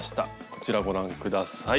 こちらご覧下さい。